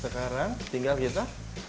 sekarang tinggal kita